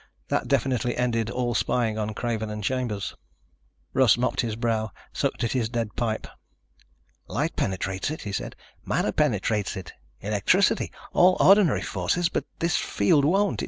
That definitely ended all spying on Craven and Chambers. Russ mopped his brow, sucked at his dead pipe. "Light penetrates it," he said. "Matter penetrates it, electricity, all ordinary forces. But this field won't.